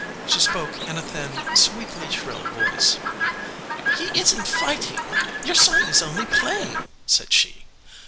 She spoke in a thin, sweetly shrill voice. "He isn t fighting. Your son is only playing," said she.